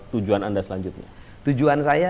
tujuan anda selanjutnya tujuan saya